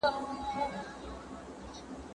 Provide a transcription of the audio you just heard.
صبر د ايمان يوه برخه ده.